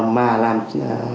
và tầm soát ung thư